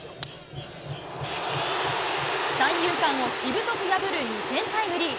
三遊間をしぶとく破る２点タイムリー。